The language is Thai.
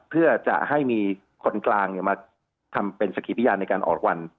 เพื่อจะให้มีคนกลางมาทำเป็นสกิพยานในการออกวัน